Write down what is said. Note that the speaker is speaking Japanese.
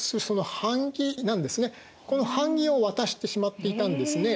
この版木を渡してしまっていたんですね。